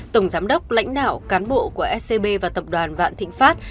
tổng giám đốc lãnh đạo cán bộ của scb và tập đoàn vạn thịnh pháp